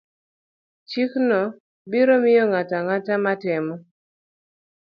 Chikno biro miyo ng'ato ang'ata matemo